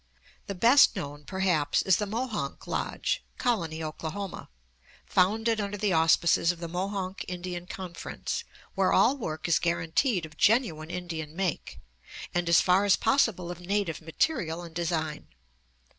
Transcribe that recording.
The best known, perhaps, is the Mohonk Lodge, Colony, Oklahoma, founded under the auspices of the Mohonk Indian Conference, where all work is guaranteed of genuine Indian make, and, as far as possible, of native material and design.